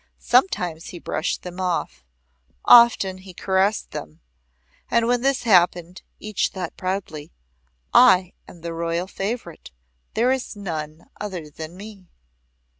Sometimes he brushed them off. Often he caressed them, and when this happened, each thought proudly "I am the Royal Favourite. There is none other than me."